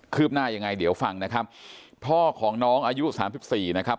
ืบหน้ายังไงเดี๋ยวฟังนะครับพ่อของน้องอายุสามสิบสี่นะครับ